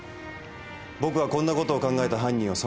僕はこんなことを考えた犯人を尊敬するな。